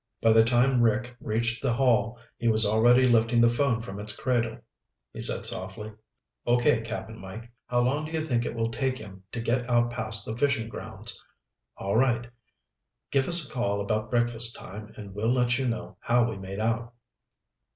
By the time Rick reached the hall, he was already lifting the phone from its cradle. "Yes?" he said softly. "Okay, Cap'n Mike. How long do you think it will take him to get out past the fishing grounds? All right. Give us a call about breakfast time and we'll let you know how we made out."